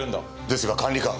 ですが管理官。